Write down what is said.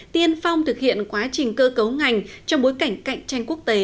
tiên phong thực hiện quá trình cơ cấu ngành trong bối cảnh cạnh tranh quốc tế